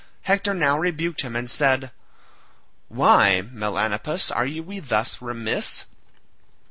Hector now rebuked him and said, "Why, Melanippus, are we thus remiss?